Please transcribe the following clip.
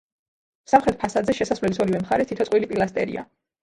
სამხრეთ ფასადზე, შესასვლელის ორივე მხარეს, თითო წყვილი პილასტრია.